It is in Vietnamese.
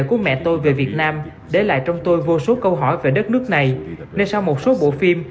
của mẹ tôi về việt nam để lại trong tôi vô số câu hỏi về đất nước này nên sau một số bộ phim